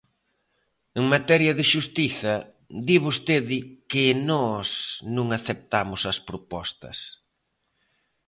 En materia de xustiza, di vostede que nós non aceptamos as propostas.